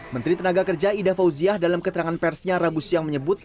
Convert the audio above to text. menteri tenaga kerja ida fauziah dalam keterangan persnya rabu siang menyebut